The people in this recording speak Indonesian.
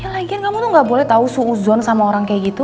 ya lagian kamu tuh gak boleh tau seuzon sama orang kayak gitu